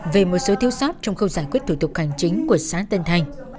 về một số thiếu sót trong khâu giải quyết thủ tục hành chính của xã tân thành